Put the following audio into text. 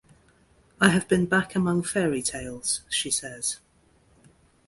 "I have been back among fairy tales," she says.